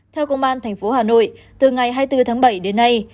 theo công an tp hà nội từ ngày hai mươi bốn tháng bảy đến nay